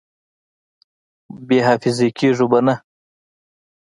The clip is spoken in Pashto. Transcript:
بې حافظې کېږو به نه!